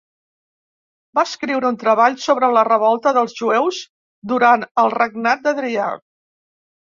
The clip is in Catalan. Va escriure un treball sobre la revolta dels jueus durant el regnat d'Adrià.